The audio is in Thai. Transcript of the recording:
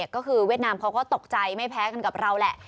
ก็คือเวียดนามเขาก็ตกใจไม่แพ้กันกับเราแหละ